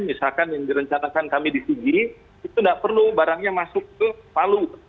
misalkan yang direncanakan kami di sigi itu tidak perlu barangnya masuk ke palu